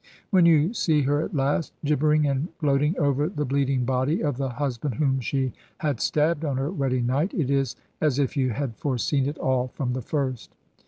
When you see her at last, gibbering and gloat ing over the bleeding body of the husbsmd whom she had stabbed on her wedding night, it is as if you had foreseen it all from the first.